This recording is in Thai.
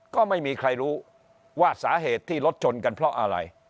ก็ไม่มีใครรู้ว่าสาเหตุที่รถชนกันเพราะอะไร